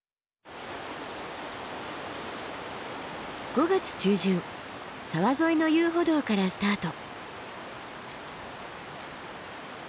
５月中旬沢沿いの遊歩道からスタート。